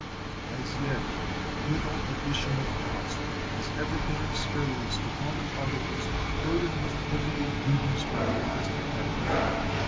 As yet little addition of cost has even been experienced upon the articles burdened with heavier duties by the last tariff.